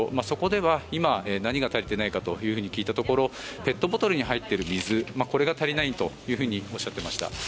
そこでは今、何が足りていないかと聞いたところペットボトルに入っている水これが足りないとおっしゃっていました。